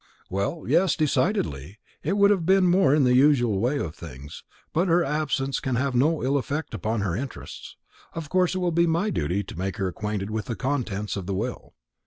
"Well, yes, decidedly; it would have been more in the usual way of things; but her absence can have no ill effect upon her interests. Of course it will be my duty to make her acquainted with the contents of the will."